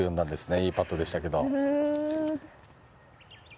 いいパットでしたけど。